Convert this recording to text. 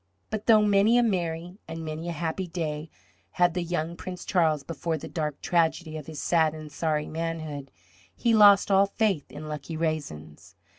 But though many a merry and many a happy day had the young Prince Charles before the dark tragedy of his sad and sorry manhood, he lost all faith in lucky raisins.